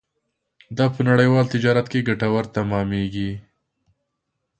دا په نړیوال تجارت کې ګټور تمامېږي.